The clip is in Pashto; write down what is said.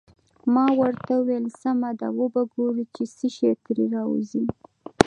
ما ورته وویل: سمه ده، وبه ګورو چې څه شي ترې راوزي.